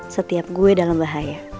setiap gue dalam bahaya